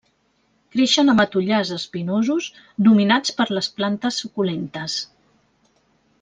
Creixen a matollars espinosos dominats per les plantes suculentes.